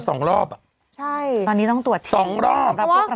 ใช่สำหรับพวกเรานะตอนนี้ต้องตรวจ๒รอบ